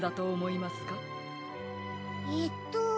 えっと。